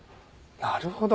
なるほど。